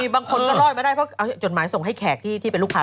บางคนก็รอดไม่ได้เพราะการส่งให้แขกที่เป็นลูกค้า